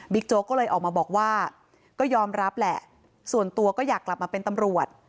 โจ๊กก็เลยออกมาบอกว่าก็ยอมรับแหละส่วนตัวก็อยากกลับมาเป็นตำรวจ